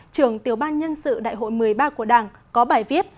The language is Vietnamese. trưởng tiểu ban nhân sự đại hội một mươi ba của đảng có bài viết